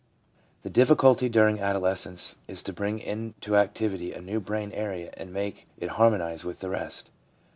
The difficulty during adolescence is to bring into activity a new brain area and make it harmonise with the rest.